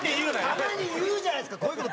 たまに言うじゃないですかこういう事。